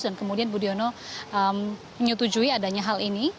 dan kemudian budi ono menyetujui adanya hal ini